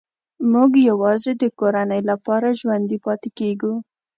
موږ یوازې د کورنۍ لپاره ژوندي پاتې کېږو